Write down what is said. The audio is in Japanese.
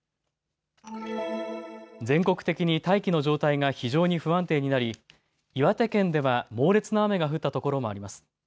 全国的に大気の状態が非常に不安定になり岩手県では猛烈な雨が降ったところもあります。